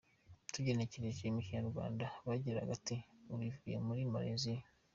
Tugenekereje mu Kinyarwanda yagiraga ati “ Ubu ivuye muri Malaysia.